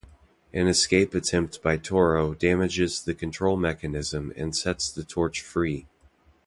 An escape attempt by Toro damages the control mechanism and sets the Torch free.